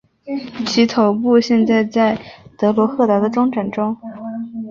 其头部现在在德罗赫达的中展出。